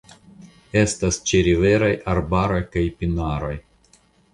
Estas ĉeriveraj arbaroj kaj pinaroj.